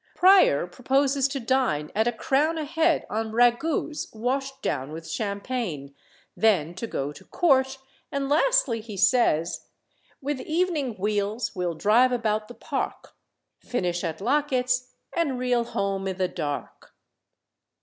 Prior proposes to dine at a crown a head on ragouts washed down with champagne; then to go to court; and lastly he says "With evening wheels we'll drive about the Park, Finish at Locket's, and reel home i' the dark."